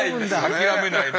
諦めないね。